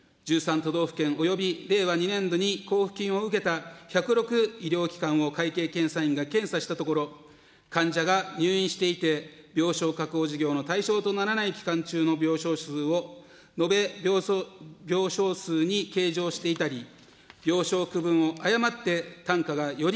都道府県および令和２年度に交付金を受けた１０６医療機関を会計検査院が検査したところ、患者が入院していて、病床確保事業の対象とならない期間中の病床数を延べ病床数に計上していたり、病床区分を誤って単価がより